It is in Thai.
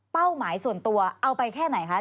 หมายส่วนตัวเอาไปแค่ไหนคะ